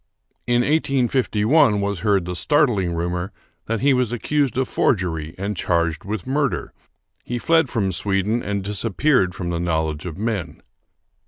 In 1851 was heard the startling rumor that he was accused of forgery and charged with murder. He fled from Sweden and disappeared from the knowledge of men.